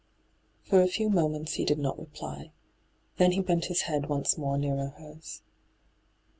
For a few moments he did not reply. Then he bent his head once more nearer hers.